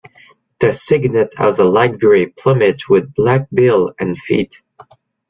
The cygnet has a light grey plumage with black bill and feet.